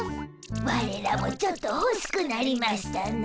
ワレらもちょっとほしくなりましたな。